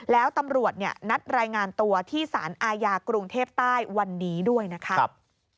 แล้วตำรวจนัดรายงานตัวที่สารอาญากรุงเทพใต้วันนี้ด้วยนะครับ